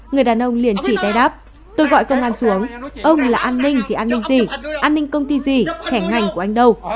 người đàn ông liền chỉ tay đáp tôi gọi công an xuống ông là an ninh thì an ninh gì an ninh công ty gì thẻ ngành của anh đâu